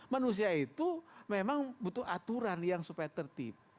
manusia itu memang butuh aturan yang supaya tertib